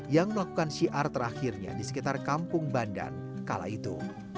yang melakukan syiar terakhirnya di sekitar kampung bandan kala itu